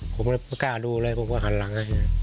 ผมก็กล้าดูเลยผมก็หันหลัง